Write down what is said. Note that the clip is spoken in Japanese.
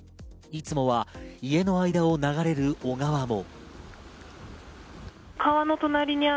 いつもは家の間を流れる小川も。